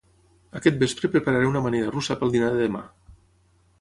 Aquest vespre prepararé una amanida russa pel dinar de demà